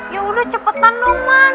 ya udah cepetan dong man